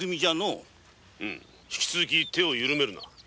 うむ引き続き手を緩めるな。